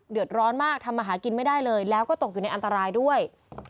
เดือดร้อนมากทำมาหากินไม่ได้เลยแล้วก็ตกอยู่ในอันตรายด้วย